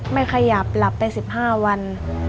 ไม่ขยับหลับไป๑๕วัน